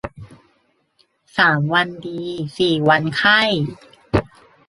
สามวันดีสี่วันไข้